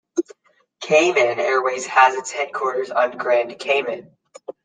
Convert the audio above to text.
Cayman Airways has its headquarters on Grand Cayman.